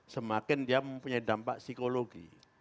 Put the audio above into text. semakin dia mempunyai dampak psikologi